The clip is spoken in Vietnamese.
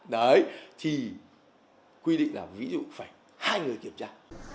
đấy thì quy định là ví dụ phải hai người kiểm tra